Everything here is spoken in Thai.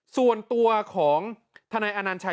ส่วนตัวของทนายอนัญชัย